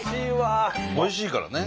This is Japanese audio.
おいしいからね。